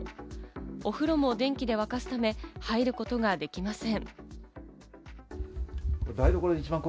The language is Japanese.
お風呂も電気で沸かすため、入ることができません。